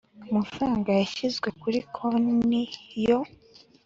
amafaranga yashyizwe kuri konti yo